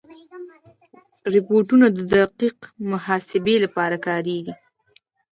روبوټونه د دقیق محاسبې لپاره کارېږي.